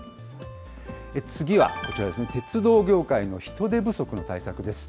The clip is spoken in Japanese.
次はこちらですね、鉄道業界の人手不足の対策です。